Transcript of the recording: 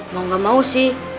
mau gak mau sih